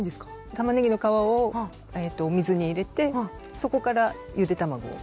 たまねぎの皮を水に入れてそこからゆで卵を。